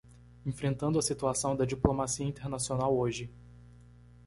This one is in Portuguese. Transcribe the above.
Enfrentando a situação da diplomacia internacional hoje